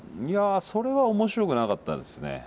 いやそれは面白くなかったですね。